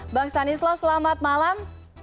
bang stanislas selamat malam